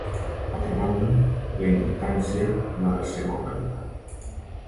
D'altra banda, la inductància no ha de ser molt petita.